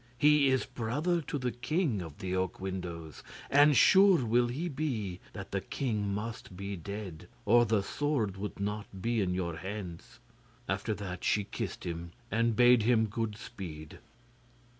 He is brother to the king of the oak windows, and sure will he be that the king must be head, or the sword would not be in your hands.' After that she kissed him, and bade him good speed.